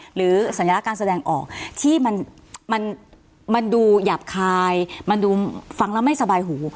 สัญลักษณ์การแสดงออกที่มันดูหยาบคายมันดูฟังแล้วไม่สบายหู